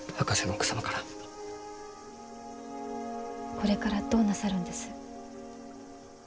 これからどうなさるんです？